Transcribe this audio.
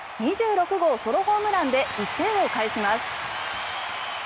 ２６号ソロホームランで１点を返します。